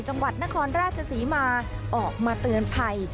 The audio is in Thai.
จังหวัดนครราชศรีมาออกมาเตือนภัย